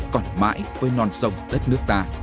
còn mãi với non sông đất nước ta